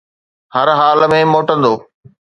هر حال ۾ موٽندو.